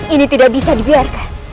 ini tidak bisa dibiarkan